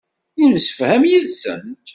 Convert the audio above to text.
Yemsefham yid-sent.